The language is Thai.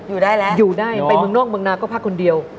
อยู่ได้แล้วอยู่ได้ไปเมืองนอกเมืองนาก็พักคนเดียว